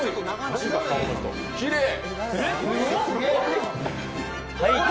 きれい。